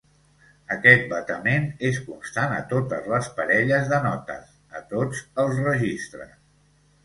Aquest batement és constant a totes les parelles de notes a tots els registres.